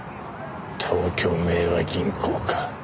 東京明和銀行か。